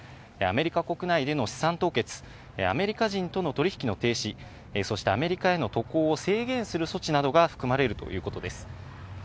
アメリカ国内での資産凍結、アメリカ人との取り引きの停止、そしてアメリカへの渡航を制限する措置などが含まれるということです。